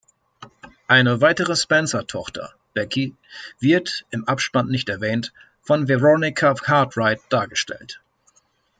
Eine weitere Spencer-Tochter, Becky, wird, im Abspann nicht erwähnt, von Veronica Cartwright dargestellt.